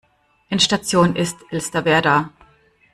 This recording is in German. Endstation ist Elsterwerda.